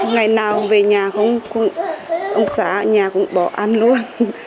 ngày nào về nhà không ông xã nhà cũng bỏ ăn luôn